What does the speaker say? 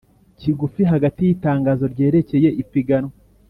Kigufi hagati y itangazo ryerekeye ipiganwa